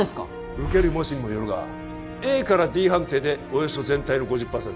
受ける模試にもよるがＡからＤ判定でおよそ全体の５０％